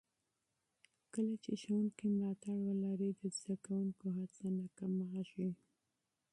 کله چې ښوونکي ملاتړ ولري، د زده کوونکو هڅه نه کمېږي.